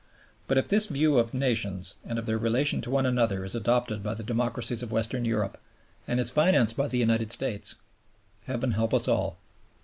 But if this view of nations and of their relation to one another is adopted by the democracies of Western Europe, and is financed by the United States, heaven help us all.